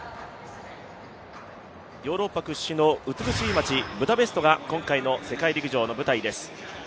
ヨーロッパ屈指の美しい街、ブダペストが今回の世界陸上の舞台です。